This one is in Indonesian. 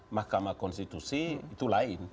mahkamah konstitusi itu lain